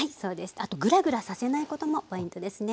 あとぐらぐらさせないこともポイントですね。